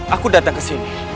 aku datang kesini